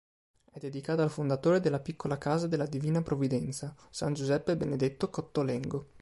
È dedicata al fondatore della Piccola Casa della Divina Provvidenza, san Giuseppe Benedetto Cottolengo.